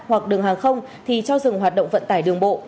hoặc đường hàng không thì cho dừng hoạt động vận tải đường bộ